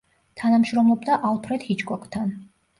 თანამშრომლობდა ალფრედ ჰიჩკოკთან.